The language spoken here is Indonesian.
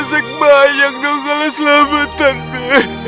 sampai jumpa di video selanjutnya